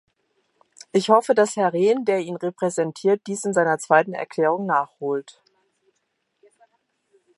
Ich hoffe, dass Herr Rehn, der ihn repräsentiert, dies in seiner zweiten Erklärung nachholt.